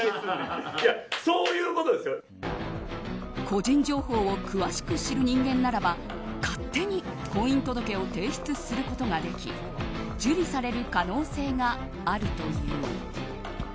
個人情報を詳しく知る人間ならば勝手に婚姻届を提出することができ受理される可能性があるという。